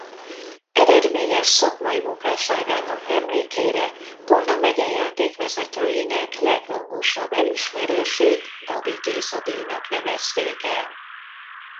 Eredményes szakmai munkásságának emlékére Tolna megye játékvezetőinek legrangosabb elismerését Gabi Géza-díjnak nevezték el.